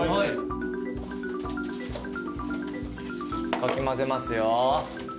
かき混ぜますよ。